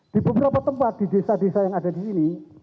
di beberapa tempat di desa desa yang ada di sini